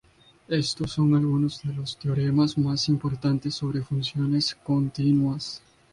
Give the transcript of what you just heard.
Estos son algunos de los teoremas más importantes sobre funciones continuas.